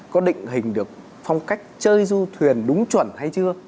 có định hình được phong cách chơi du thuyền đúng chuẩn hay chưa